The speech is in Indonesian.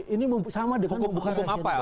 ini sama dengan hukum apa yang dilanggar itu